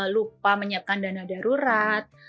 lupa menyiapkan dana darurat